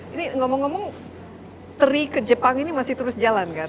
ini ngomong ngomong teri ke jepang ini masih terus jalan kan